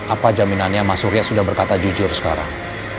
apa jaminannya mas surya sudah berkata jujur sekarang